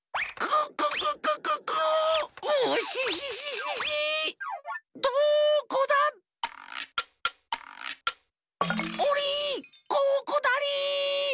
ここだリ！